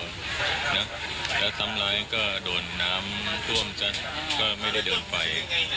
แล้วทำร้ายก็โดนน้ำท่วมซะก็ไม่ได้เดินไป